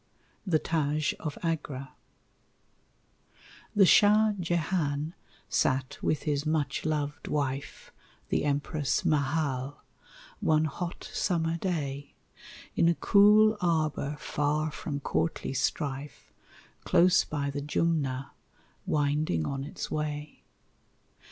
THE TAJ OF AGRA The Shah Jehan sat with his much loved wife, The Empress Mahal, one hot summer day, In a cool arbor far from courtly strife, Close by the Jumna, winding on its way.